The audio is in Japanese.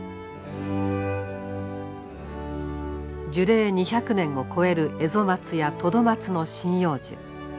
樹齢２００年を超えるエゾマツやトドマツの針葉樹。